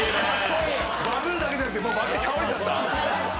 バズるだけじゃなくてバズり倒れちゃった？